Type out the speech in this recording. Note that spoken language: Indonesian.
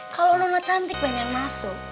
kalau nama cantik banyak masuk